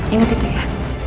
ingat itu ya